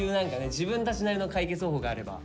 自分たちなりの解決方法があれば。